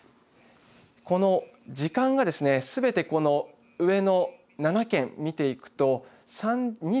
この時間がすべて上の７件、見ていくとね